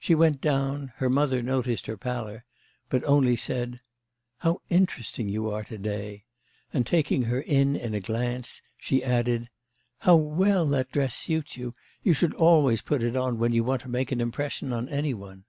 She went down; her mother noticed her pallor, but only said: 'How interesting you are to day,' and taking her in in a glance, she added: 'How well that dress suits you; you should always put it on when you want to make an impression on any one.